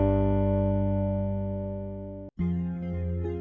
oh apa kamu begini